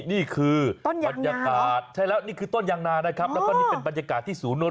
นี่คือบรรยากาศใช่แล้วนี่คือต้นยางนานะครับแล้วก็นี่เป็นบรรยากาศที่ศูนย์นวล